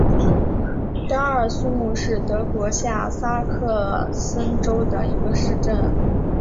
德尔苏姆是德国下萨克森州的一个市镇。